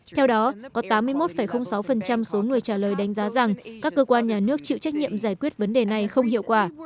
theo đó có tám mươi một sáu số người trả lời đánh giá rằng các cơ quan nhà nước chịu trách nhiệm giải quyết vấn đề này không hiệu quả